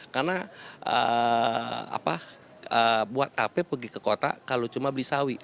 ya jadi buat apa pergi ke kota kalau cuma beli sawi